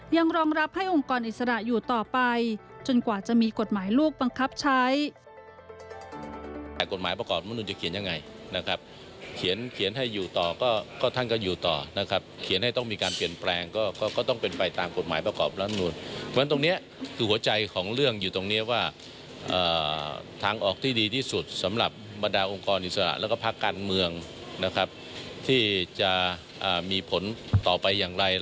รองรับให้องค์กรอิสระอยู่ต่อไปจนกว่าจะมีกฎหมายลูกบังคับใช้